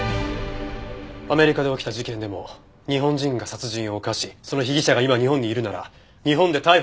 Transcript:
アメリカで起きた事件でも日本人が殺人を犯しその被疑者が今日本にいるなら日本で逮捕できます。